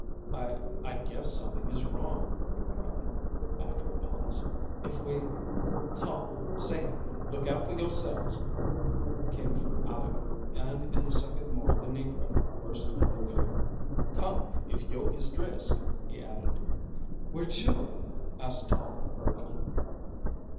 "I I guess something is wrong," he went on, after a pause. "If we " "Tom! Sam! look out fo' yourselves!" came from Aleck, and in a second more the negro, burst on their view. "Come, if yo' is dressed!" he added. "Where to?" asked Tom hurriedly.